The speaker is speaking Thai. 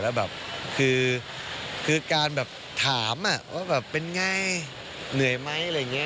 แล้วแบบคือการถามว่าเป็นไงเหนื่อยไหม